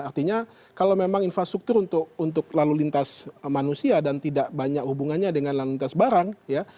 artinya kalau memang infrastruktur untuk lalu lintas manusia dan tidak banyak hubungannya dengan lalu lintas barang ya